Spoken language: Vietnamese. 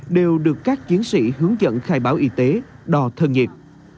đều được các chiến sĩ hướng dẫn khai báo y tế đò thân nhiệt